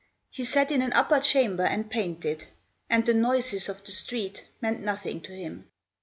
He sat in an upper chamber And painted, And the noises of the street Meant nothing to him.